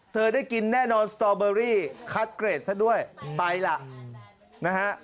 ได้กินแน่นอนสตอเบอรี่คัดเกรดซะด้วยไปล่ะนะฮะ